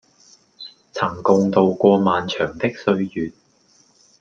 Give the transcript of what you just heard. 曾共渡過漫長的歲月